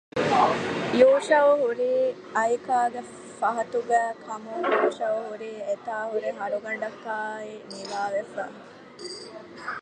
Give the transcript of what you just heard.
ޔޫޝައު ހުރީ އައިކާގެ ފަހަތުގައިކަމުން ޔޫޝައު ހުރީ އެތާ ހުރި ހަރުގަނޑަކާއި ނިވާވެފަ